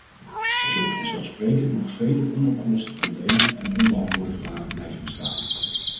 Er zullen vanzelfsprekend nog vele onopgeloste problemen en onbeantwoorde vragen blijven bestaan.